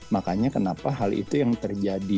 makanya kenapa hal itu yang terjadi